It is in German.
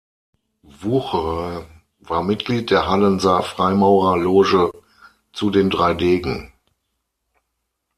Wucherer war Mitglied der Hallenser Freimaurerloge "Zu den drei Degen".